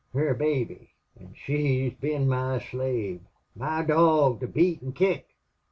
Her baby!... An' she's been my slave my dog to beat an' kick!